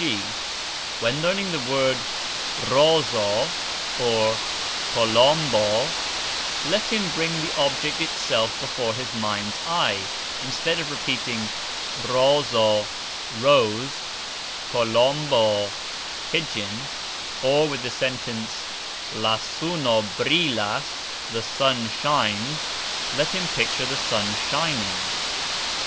g., when learning the word "rozo" or "kolombo," let him bring the object itself before his mind's eye, instead of repeating "'rozo', rose; 'kolombo', pigeon"; or with the sentence "'la suno brilas', the sun shines," let him picture the sun shining.